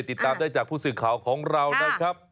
ติดตามได้จากผู้สื่อข่าวของเรานะครับ